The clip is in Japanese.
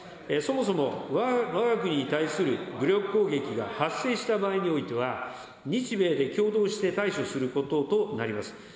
そもそも、わが国に対する武力攻撃が発生した場合においては、日米で共同して対処することとなります。